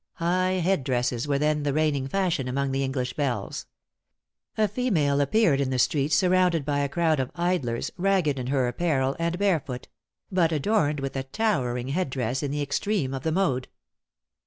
High head dresses were then the reigning fashion among the English belles. A female appeared in the street, surrounded by a crowd of idlers, ragged in her apparel, and barefoot; but adorned with a towering head dress in the extreme of the mode.